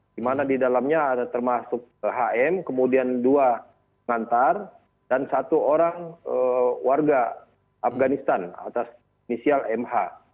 di mana di dalamnya ada termasuk hm kemudian dua pengantar dan satu orang warga afganistan atas inisial mh